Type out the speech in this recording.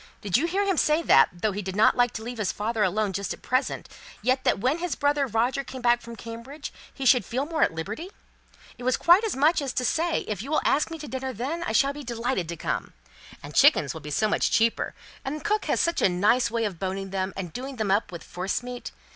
Did you hear him say that, though he did not like to leave his father alone just at present, yet that when his brother Roger came back from Cambridge, he should feel more at liberty! It was quite as much as to say, 'If you will ask me to dinner then, I shall be delighted to come.' And chickens will be so much cheaper, and cook has such a nice way of boning them, and doing them up with forcemeat.